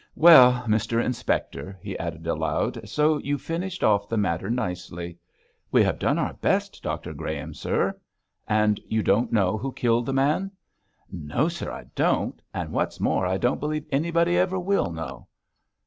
Well, Mr Inspector,' he added aloud, 'so you've finished off the matter nicely.' 'We have done our best, Dr Graham, sir.' 'And you don't know who killed the man?' 'No, sir, I don't; and what's more, I don't believe anybody ever will know.'